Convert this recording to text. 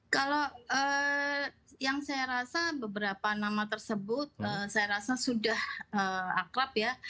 kalau yang saya rasa beberapa nama tersebut saya rasa sudah akrab ya